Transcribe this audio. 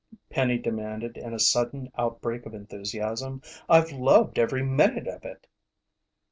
Penny demanded in a sudden outbreak of enthusiasm. "I've loved every minute of it!"